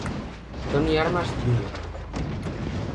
Tony Armas, Jr.